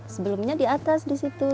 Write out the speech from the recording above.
sebelumnya di atas di situ